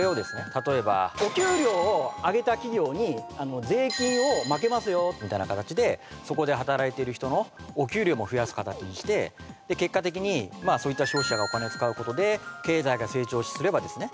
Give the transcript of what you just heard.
例えばお給料を上げた企業に税金をまけますよみたいな形でそこで働いている人のお給料も増やす形にして結果的にそういった消費者がお金を使うことで経済が成長すればですね